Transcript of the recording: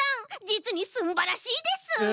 じつにすんばらしいです！